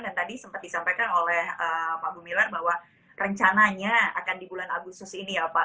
dan tadi sempat disampaikan oleh pak bumilar bahwa rencananya akan di bulan agustus ini ya pak